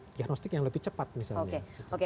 diagnostik yang lebih cepat misalnya